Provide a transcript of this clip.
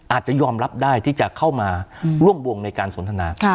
อาจจะยอมรับได้ที่จะเข้ามาร่วมวงในการสนทนา